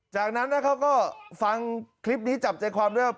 จากนั้นเขาก็ฟังคลิปนี้จับใจความได้ว่า